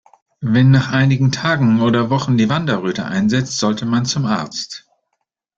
Wenn nach einigen Tagen oder Wochen die Wanderröte einsetzt, sollte man zum Arzt.